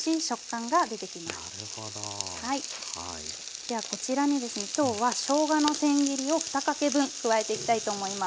ではこちらにですね今日はしょうがのせん切りを２かけ分加えていきたいと思います。